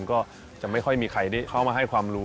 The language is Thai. ก็จะไม่ค่อยมีใครได้เข้ามาให้ความรู้